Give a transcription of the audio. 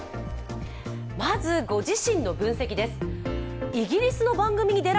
まず、ご自身の分析です。